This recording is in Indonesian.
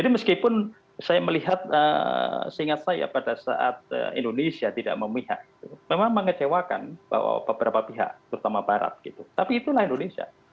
meskipun saya melihat seingat saya pada saat indonesia tidak memihak memang mengecewakan bahwa beberapa pihak terutama barat gitu tapi itulah indonesia